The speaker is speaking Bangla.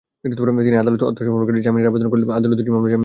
তিনি আদালতে আত্মসমর্পণ করে জামিনের আবেদন করলে আদালত দুটি মামলায় জামিন দেন।